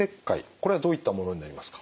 これはどういったものになりますか？